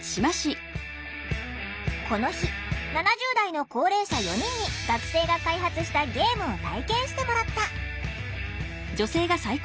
この日７０代の高齢者４人に学生が開発したゲームを体験してもらった。